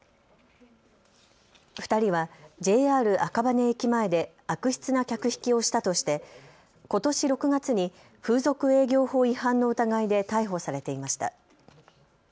２人はＪＲ赤羽駅前で悪質な客引きをしたとしてことし６月に風俗営業法違反の疑いで逮捕されていました。